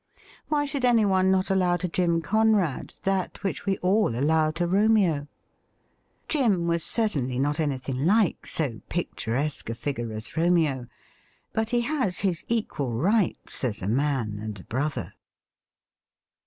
Why should anyone not allow to Jim Conrad that which we all allow to Romeo ? Jim was certainly not anything like so picturesque a figure as Romeo — but he has his equal rights as a man and a brother.